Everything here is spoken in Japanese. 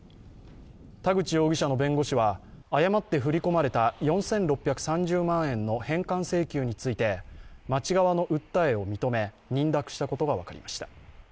田口容疑者の弁護士は誤って振り込まれた４６３０万円の返還請求について、町側の訴えを認め認諾したことが分かりました。